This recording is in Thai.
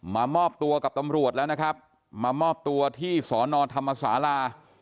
มามอบตัวกับตำรวจแล้วนะครับมามอบตัวที่สอนอธรรมศาลา